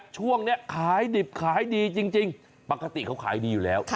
ช่วงนี้ขายดิบขายดีจริงปกติเขาขายดีอยู่แล้ว